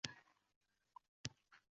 Menda qoldi haqqingiz, do’stlar